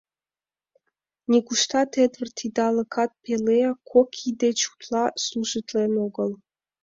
Нигуштат Эдвард идалыкат пеле, кок ий деч утла служитлен огыл.